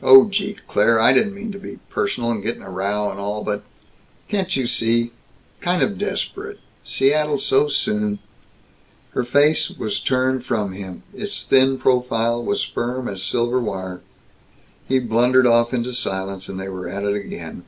"Oh gee Claire, I didn't mean to be personal, and get in a row and all, but can't you see kind of desperate Seattle so soon " Her face was turned from him; its thin profile was firm as silver wire. He blundered off into silence and they were at it again!